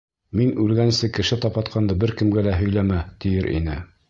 Мин үлгәнсе кеше тапатҡанды бер кемгә лә һөйләмә, тиер ине.